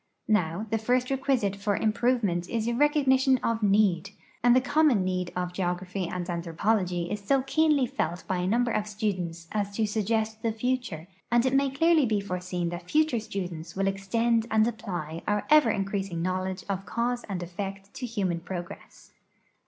Now, the first requisite for improvement is recognition of need, and the common need of geography and anthropology is so keenly felt by a number of students as to sug gest the future, and it may clearly be foreseen that future students will extend and apply our ever increasing knowledge of cause and effect to Imman progress.